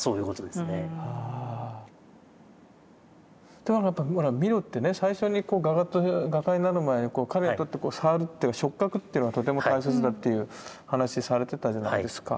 でもなんかほらミロってね最初に画家になる前彼にとって触るっていうか触覚っていうのはとても大切だっていう話されてたじゃないですか。